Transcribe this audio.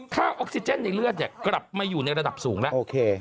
ออกซิเจนในเลือดกลับมาอยู่ในระดับสูงแล้วโอเค